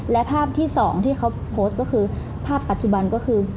และภาพที่สองที่เขาโพสต์ก็คือภาพปัจจุบันก็คือ